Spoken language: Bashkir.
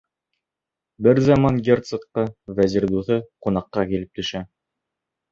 Бер заман герцогҡа вәзир дуҫы ҡунаҡҡа килеп төшә.